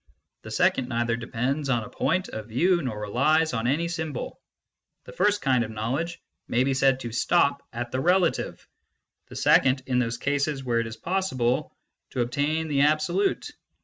The second neither depends on a point of view nor relies on any symbol. The first kind of knowledge may be said to stop at the relative ; the second, in those cases where it is possible, to attain the absolute."